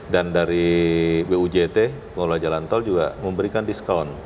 dan dari bujt pengelola jalan tol juga memberikan diskaun